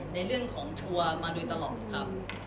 ในเรื่องของทัวร์มาโดยตลอดครับ